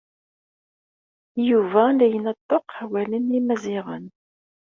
Yuba la d-ineṭṭeq awalen imaziɣen.